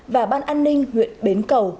và ban an ninh huyện bến cầu